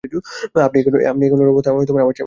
আপনি এখানকার অবস্থা আমার চেয়ে অনেক কম জানেন।